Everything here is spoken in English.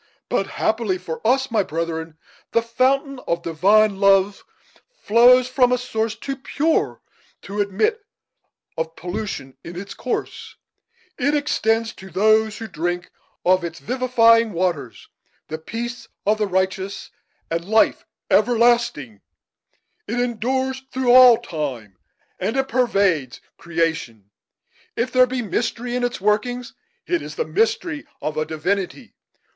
But, happily for us, my brethren, the fountain of divine love flows from a source too pure to admit of pollution in its course; it extends, to those who drink of its vivifying waters, the peace of the righteous, and life everlasting; it endures through all time, and it pervades creation. If there be mystery in its workings, it is the mystery of a Divinity.